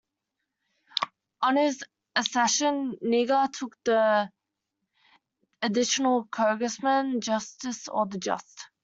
On his accession, Niger took the additional cognomen "Justus", or "the Just".